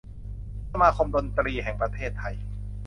สมาคมดนตรีแห่งประเทศไทย